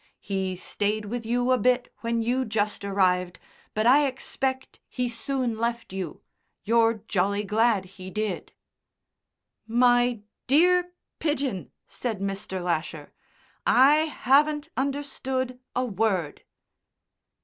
He stayed with you a bit when you just arrived, but I expect he soon left you. You're jolly glad he did." "My dear Pidgen," said Mr. Lasher, "I haven't understood a word."